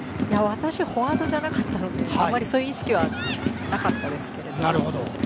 私フォワードじゃなかったのであまり意識はなかったです。